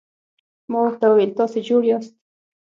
ما ورته وویل: تاسي جوړ یاست؟